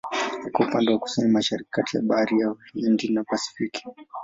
Iko upande wa Kusini-Mashariki kati ya Bahari ya Uhindi na Pasifiki.